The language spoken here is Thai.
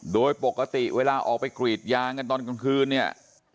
โดยปกติเวลาออกไปกรีดยางกันตอนกลางคืนเนี่ย